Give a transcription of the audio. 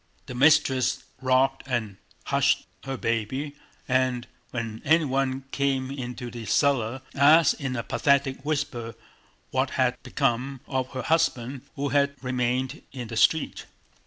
The mistress rocked and hushed her baby and when anyone came into the cellar asked in a pathetic whisper what had become of her husband who had remained in the street.